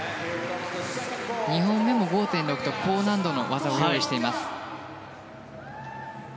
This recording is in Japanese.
２本目も５．６と高難度の技を用意しています。